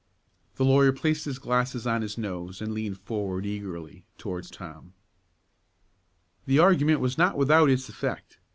The lawyer placed his glasses on his nose, and leaned forward, eagerly, towards Tom. The argument was not without its effect.